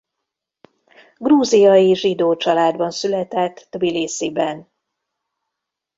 Grúziai zsidó családban született Tbilisziben.